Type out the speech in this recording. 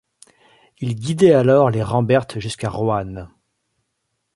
Ils guidaient alors les rambertes jusqu'à Roanne.